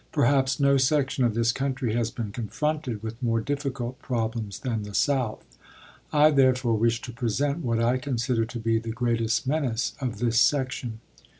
Perhaps no section of this country has been confronted with more difficult problems than the South. I therefore wish to present what I consider to be the greatest menace of this section.